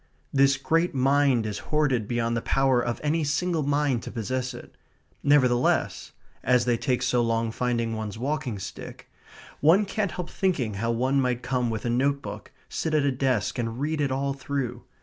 This great mind is hoarded beyond the power of any single mind to possess it. Nevertheless (as they take so long finding one's walking stick) one can't help thinking how one might come with a notebook, sit at a desk, and read it all through.